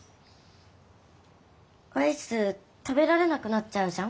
アイス食べられなくなっちゃうじゃん？